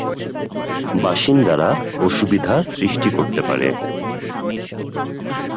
বাসিন্দারা অসুবিধা সৃষ্টি করতে পারে।